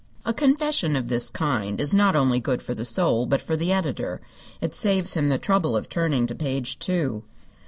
A confession of this kind is not only good for the soul, but for the editor. It saves him the trouble of turning to page two.